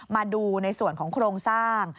มาดูในส่วนของโครงสร้าง